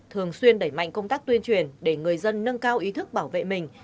thường xuyên đẩy mạnh công tác tuyên truyền để người dân nâng cao ý thức bảo vệ mình